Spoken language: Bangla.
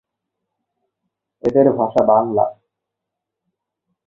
এঁদের ভাষা বাংলা।